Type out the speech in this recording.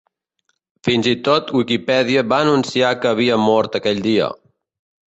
Fins i tot Wikipedia va anunciar que havia mort aquell dia.